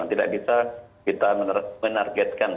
untuk bisa kita menargetkan